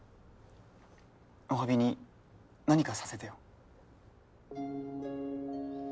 お詫びになにかさせてよ。